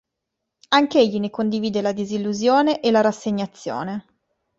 Anch'egli ne condivide la disillusione e la rassegnazione.